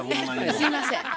すいません。